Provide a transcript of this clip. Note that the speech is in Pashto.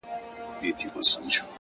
سم پسرلى ترې جوړ سي!